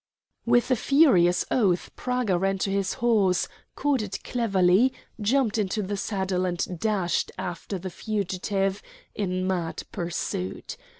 With a furious oath Praga ran to his horse, caught it cleverly, jumped into the saddle, and dashed after the fugitive in mad pursuit.